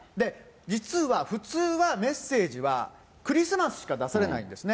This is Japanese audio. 実は、普通はメッセージはクリスマスしか出されないんですね。